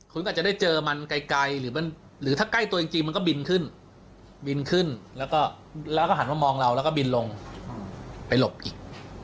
คุณก็อาจจะได้เจอมันไกลหรือถ้าใกล้ตัวจริงมันก็บินขึ้นบินขึ้นแล้วก็หันมามองเราแล้วก็บินลงไปหลบอีก